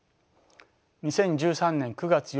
２０１３年９月８日